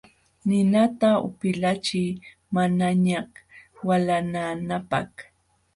Ninata upilachiy manañaq walananapaq.